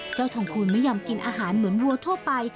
ทองคูณไม่ยอมกินอาหารเหมือนวัวทั่วไป